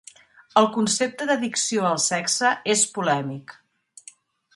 El concepte d'addicció al sexe és polèmic.